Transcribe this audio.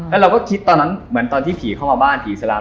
แล้วเราก็คิดตอนนั้นเหมือนตอนที่ผีเข้ามาบ้านผีเสร็จแล้ว